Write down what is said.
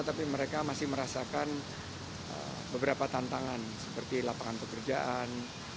tapi mereka masih merasakan beberapa tantangan seperti lapangan pekerjaan